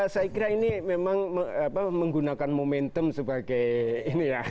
saya kira ini memang menggunakan momentum sebagai ini ya